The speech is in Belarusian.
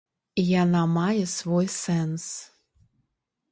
Яна мае свой сэнс.